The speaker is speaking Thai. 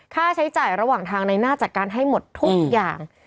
ค่าใช้จ่ายระหว่างทางในหน้าจัดการให้หมดทุกอย่าง